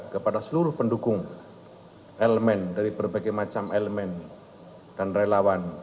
kepada seluruh pendukung elemen dari berbagai macam elemen dan relawan